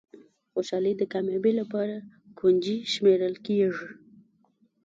خوشالي د کامیابۍ لپاره کونجي شمېرل کېږي.